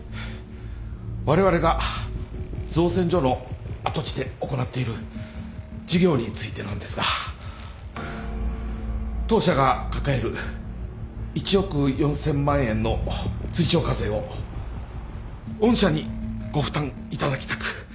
われわれが造船所の跡地で行っている事業についてなんですが当社が抱える１億４，０００万円の追徴課税を御社にご負担いただきたく。